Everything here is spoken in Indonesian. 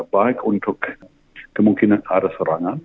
baik untuk kemungkinan ada serangan